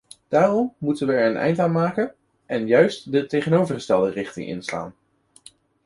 Daarom moeten we er een eind aan maken en juist de tegenovergestelde richting inslaan.